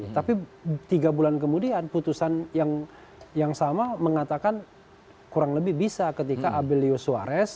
tapi tiga bulan kemudian putusan yang sama mengatakan kurang lebih bisa ketika abelio suares